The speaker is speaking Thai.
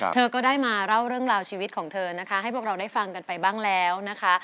เธอก็ได้มาเล่าเรื่องราวชีวิตของเธอนะคะให้พวกเราได้ฟังกันไปบ้างแล้วนะคะ